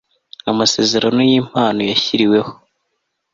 Amasezerano y impano yashyiriweho